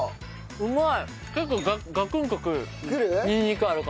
うまい！